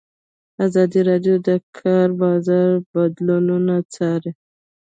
ازادي راډیو د د کار بازار بدلونونه څارلي.